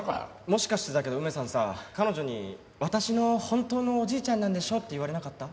もしかしてだけど梅さんさ彼女に「私の本当のおじいちゃんなんでしょ？」って言われなかった？